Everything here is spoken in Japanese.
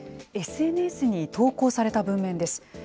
ＳＮＳに投稿された文面です。